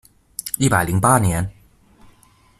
一百零八年